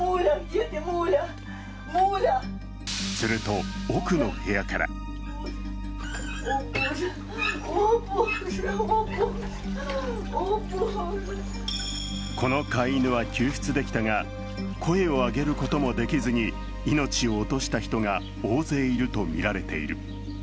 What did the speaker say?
すると奥の部屋からこの飼い犬は救出できたが、声を上げることもできずに命を落とした人が大勢いるとみられている。